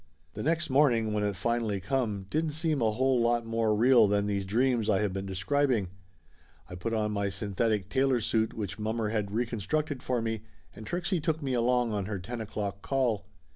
The next morning, when it finally come, didn't seem a whole lot more real than these dreams I have been describing. I put on my synthetic tailor suit which mommer had reconstructed for me, and Trixie took me along on her ten o'clock call.